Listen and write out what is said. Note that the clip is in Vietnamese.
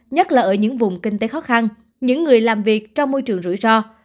nhất là ở những vùng kinh tế khó khăn những người làm việc trong môi trường rủi ro